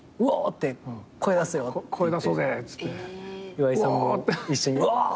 岩井さんも一緒に「うおー！」